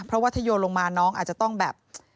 เพราะว่าถ้าโยนลงมาน้องอาจจะต้องแบบ